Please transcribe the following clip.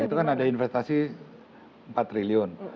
itu kan ada investasi empat triliun